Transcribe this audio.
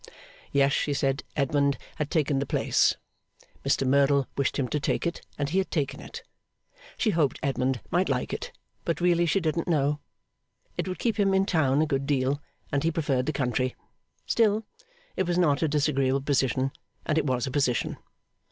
Yes, she said, Edmund had taken the place. Mr Merdle wished him to take it, and he had taken it. She hoped Edmund might like it, but really she didn't know. It would keep him in town a good deal, and he preferred the country. Still, it was not a disagreeable position and it was a position.